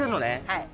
はい。